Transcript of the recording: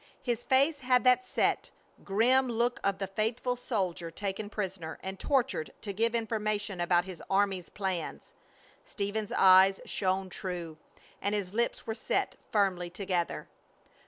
His face had that set, grim look of the faithful soldier taken prisoner and tortured to give information about his army's plans. Stephen's eyes shone true, and his lips were set firmly together.